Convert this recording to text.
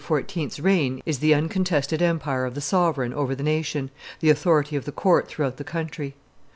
's reign is the uncontested empire of the sovereign over the nation, the authority of the court throughout the country.